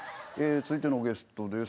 続いてのゲストです。